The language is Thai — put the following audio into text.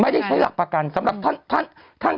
ไม่ได้ใช้หลักประกันสำหรับท่านท่านท่านท่าน